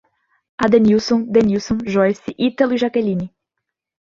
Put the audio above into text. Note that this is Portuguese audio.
Adenílson, Denílson, Joice, Ítalo e Jaqueline